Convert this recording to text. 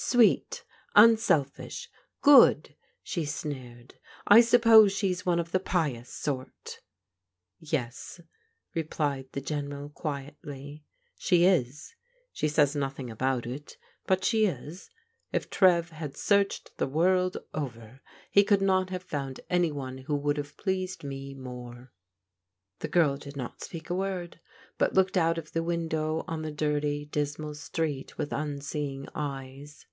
"Sweet, unselfish, good!" she sneered. "I suppose she's one of the pious sort? "" Yes," replied the General quietly, " she is. She says notbix^ about it, but she is. If Trev Viad sta.tOafc&L ^^ 292 PRODIGAL DAUGHTERS world over he could not have found any one who wotild have pleased me more." The girl did not speak a word, but looked out of the window on the dirty, dismal street with tmseeing eyes.